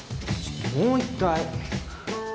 もう一回！